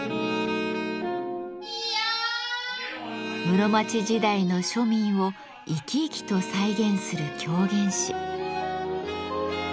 室町時代の庶民を生き生きと再現する狂言師。